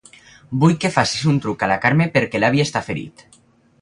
Vull que facis un truc a la Carme perquè l'avi està ferit.